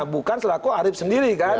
bukan selaku arief sendiri kan